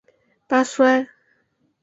巴苏埃。